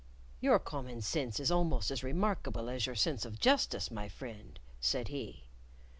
"Your common sense is almost as remarkable as your sense of justice, my friend," said he.